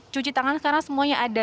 cuci tangan sekarang semuanya ada